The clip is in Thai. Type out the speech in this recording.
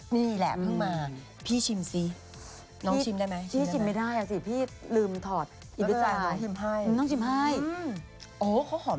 แต่ว่าเพิ่มความหอม